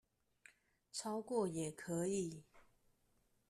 超過也可以